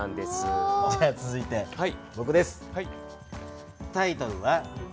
続いてぼくです。